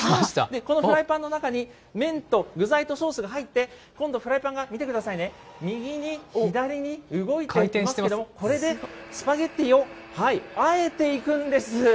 このフライパンの中に麺と具材とソースが入って、今度、フライパンが見てくださいね、右に、左に動いていますけども、これでスパゲッティをあえていくんです。